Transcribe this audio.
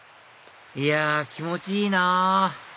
いや気持ちいいなぁ